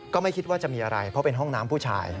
ก็ไม่คิดว่าจะมีอะไรเพราะเป็นห้องน้ำผู้ชาย